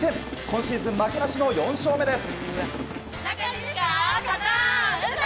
今シーズン負けなしの４勝目です。